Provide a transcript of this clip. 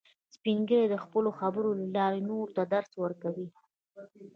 سپین ږیری د خپلو خبرو له لارې نورو ته درس ورکوي